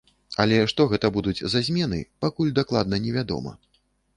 Але што гэта будуць за змены, пакуль дакладна невядома.